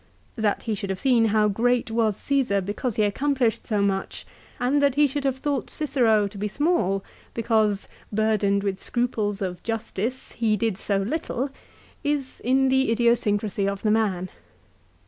That he should have seen how great was Caesar because he accomplished so much, and that he should have thought Cicero to be small, because, burdened with scruples of justice, he did so little, is in the idiosyncrasy of the man.